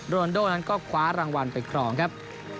โรนโดนั้นก็คว้ารางวัลไปครองครับ